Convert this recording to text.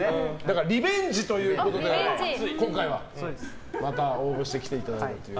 リベンジということで今回はまた応募して来ていただいたという。